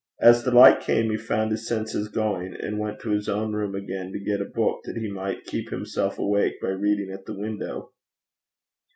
As the light came he found his senses going, and went to his own room again to get a book that he might keep himself awake by reading at the window.